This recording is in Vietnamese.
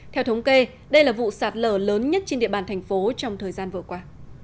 theo thống kê đây là vụ sạt lở lớn nhất trên địa bàn thành phố trong thời gian vừa qua